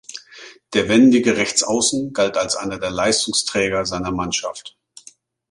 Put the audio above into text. Der wendige Rechtsaußen galt als einer der Leistungsträger seiner Mannschaft.